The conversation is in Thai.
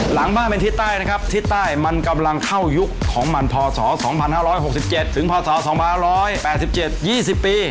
หลังบ้านเป็นทิศใต้นะครับทิศใต้มันกำลังเข้ายุคของมันพศ๒๕๖๗ถึงพศ๒๘๗๒๐ปี